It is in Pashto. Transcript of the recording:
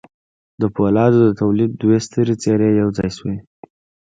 د پولادو د تولید دوې سترې څېرې یو ځای شوې